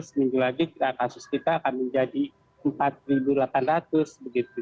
empat empat ratus seminggu lagi kasus kita akan menjadi empat delapan ratus begitu